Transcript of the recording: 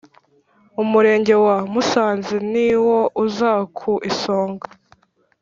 umurenge wa musanze niwo uza ku isonga